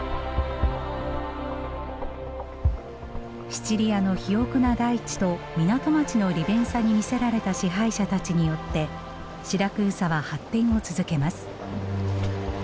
シチリアの肥沃な大地と港町の利便さに魅せられた支配者たちによってシラクーサは発展を続けます。